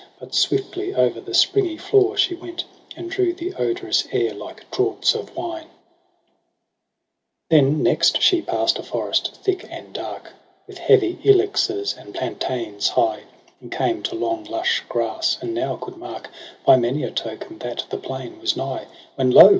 But swiftly o'er the springy floor she went. And drew the odorous air Hke draughts of wine. 1^6 EROS e? PSYCHE 9 Then next she past a forest thick and dark With heavy ilexes and platanes high. And came to long lush grass • and now coud mark By many a token that the plain was nigh. When lo